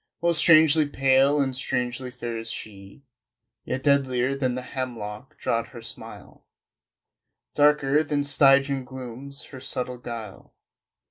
Most strangely pale and strangely fair is she Yet deadlier than the hemlock draught her smile, Darker than Stygian glooms her subtle guile....